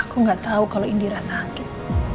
aku gak tau kalau indira sakit